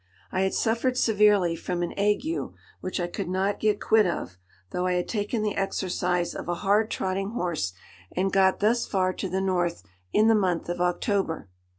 I had suffered severely from an ague, which I could not get quit of, though I had taken the exercise of a hard trotting horse, and got thus far to the north in the month of October.